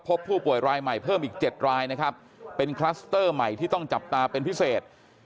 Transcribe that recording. พบผู้ป่วยรายใหม่เพิ่มอีก๗รายนะครับเป็นคลัสเตอร์ใหม่ที่ต้องจับตาเป็นพิเศษ